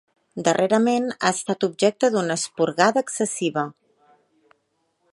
Darrerament, ha estat objecte d'una esporgada excessiva.